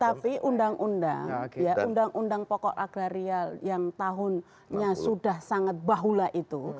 tapi undang undang undang undang poko agraria yang tahunnya sudah sangat bahula itu